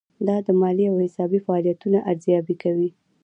دا د مالي او حسابي فعالیتونو ارزیابي کوي.